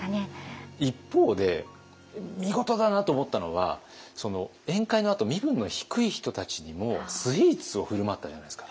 一方で見事だなと思ったのは宴会のあと身分の低い人たちにもスイーツを振る舞ったじゃないですか。